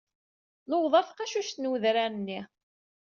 Nuweḍ ɣer tqacuct n wedrar-nni.